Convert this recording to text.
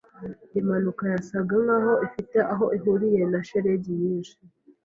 Impanuka yasaga nkaho ifite aho ihuriye na shelegi nyinshi.